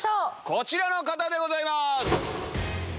こちらの方でございます！